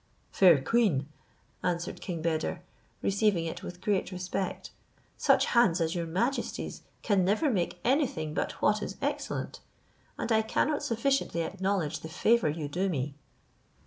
"Fair queen," answered king Beder, receiving it with great respect, "such hands as your majesty's can never make anything but what is excellent, and I cannot sufficiently acknowledge the favour you do me."